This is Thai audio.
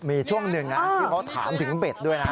มีช่วงหนึ่งนะที่เขาถามถึงเบ็ดด้วยนะ